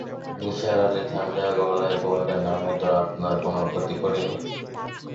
নিসার আলি ঠাণ্ডা গলায় বললেন, আমি তো আপনার কোনো ক্ষতি করি নি।